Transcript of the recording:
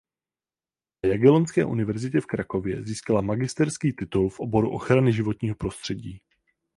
Na Jagellonské univerzitě v Krakově získala magisterský titul v oboru ochrany životního prostředí.